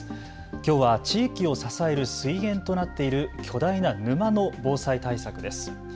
きょうは地域を支える水源となっている巨大な沼の防災対策です。